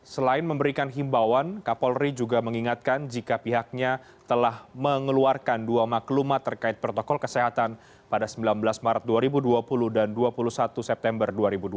selain memberikan himbauan kapolri juga mengingatkan jika pihaknya telah mengeluarkan dua maklumat terkait protokol kesehatan pada sembilan belas maret dua ribu dua puluh dan dua puluh satu september dua ribu dua puluh